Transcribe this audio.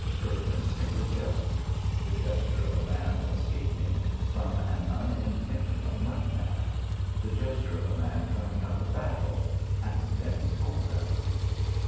Perkins made a gesture, the gesture of a man escaping from an unintentional mud bath, the gesture of a man coming out of battle, and then he told them.